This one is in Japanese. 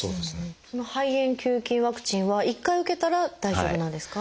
その肺炎球菌ワクチンは一回受けたら大丈夫なんですか？